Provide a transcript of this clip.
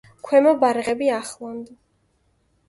ქვემო ბარღები, ახლანდ.